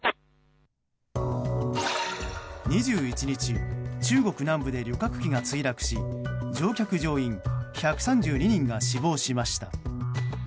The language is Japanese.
２１日、中国南部で旅客機が墜落し乗客・乗員１３２人が死亡しました。